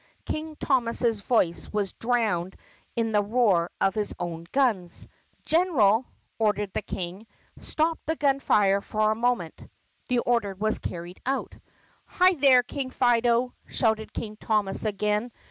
King Thomas's voice was drowned in the roar of his own guns. "General," ordered the King, "stop the gun fire for a mo ment." The order was carried out. "Hi, there, King Fido!" shouted King Thomas again.